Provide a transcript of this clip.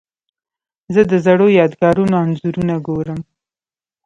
زه د زړو یادګارونو انځورونه ګورم.